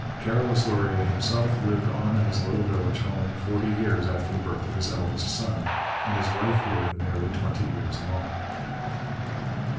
Carolus Laurier himself lived on in his little village home forty years after the birth of his eldest son, and his wife lived nearly twenty years longer.